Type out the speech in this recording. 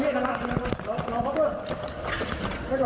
เดินหาที่ครับ